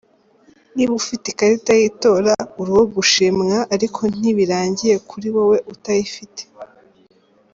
Niba ufite ikarita y’itora, uri uwo gushimwa, ariko ntibirangiye kuri wowe utayifite.